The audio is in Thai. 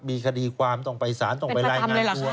ไม่ถ๖๕๐๒และก็ไม่เป็นประเภทเลยครับ